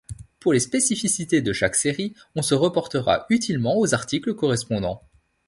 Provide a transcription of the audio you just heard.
Pour les spécificités de chaque série, on se reportera utilement aux articles correspondants.